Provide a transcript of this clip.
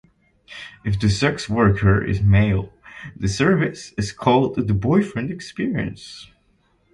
If the sex worker is male, the service is called the boyfriend experience.